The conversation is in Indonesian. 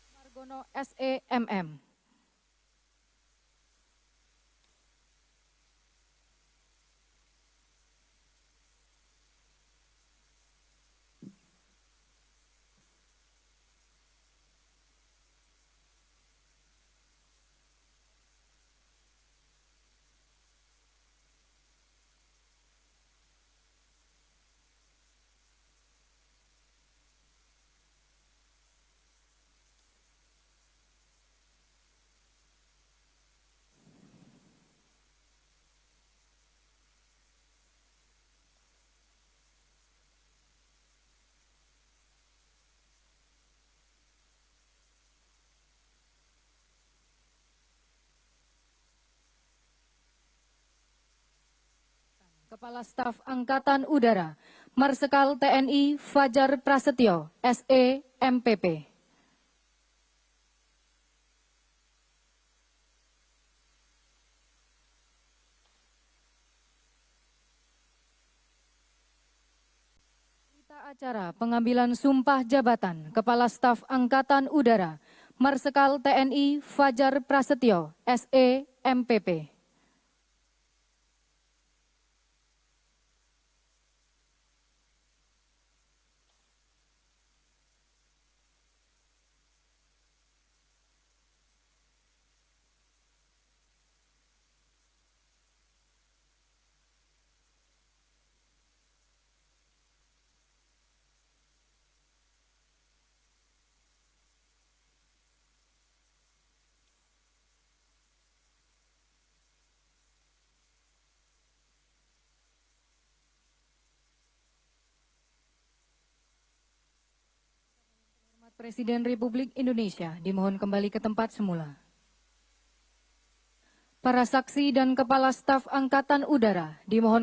persiapan penandatanganan berita acara penandatanganan berita acara penandatanganan